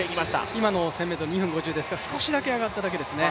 今の１０００ｍ、２分５０ですから少しだけ上がっただけですね。